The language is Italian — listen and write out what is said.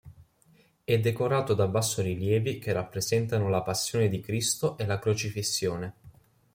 È decorato da bassorilievi che rappresentano la Passione di Cristo e la Crocifissione.